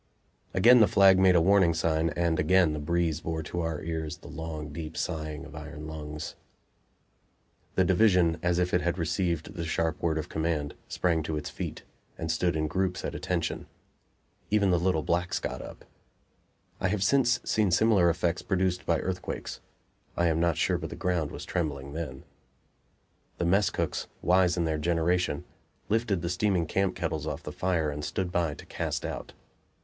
Again the flag made a warning sign, and again the breeze bore to our ears the long, deep sighing of iron lungs. The division, as if it had received the sharp word of command, sprang to its feet, and stood in groups at "attention." Even the little blacks got up. I have since seen similar effects produced by earthquakes; I am not sure but the ground was trembling then. The mess cooks, wise in their generation, lifted the steaming camp kettles off the fire and stood by to cast out.